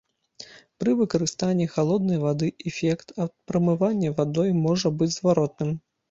Пры выкарыстанні халоднай вады эфект ад прамывання вадой можа быць зваротным.